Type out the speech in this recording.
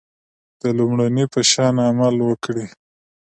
د لومړني په شان عمل وکړئ.